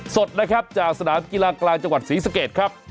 สดนะครับจากสนามกีฬากลางจังหวัดศรีสะเกดครับ